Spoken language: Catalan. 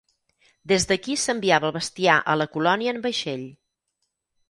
Des d'aquí s'enviava el bestiar a la colònia en vaixell.